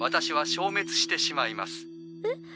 えっ？